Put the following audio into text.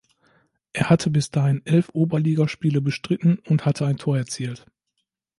Er hatte bis dahin elf Oberligaspiele bestritten und hatte ein Tor erzielt.